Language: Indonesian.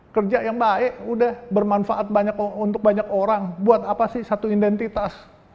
kerja yang baik udah bermanfaat untuk banyak orang buat apa sih satu identitas